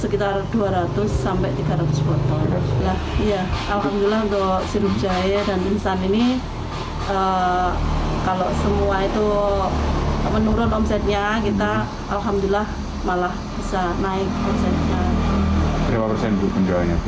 kalau semua itu menurun omsetnya kita alhamdulillah malah bisa naik omsetnya